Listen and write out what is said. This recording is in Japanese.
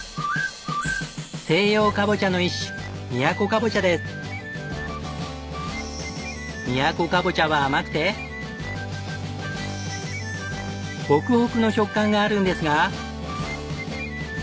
西洋カボチャの一種みやこカボチャは甘くてホクホクの食感があるんですが。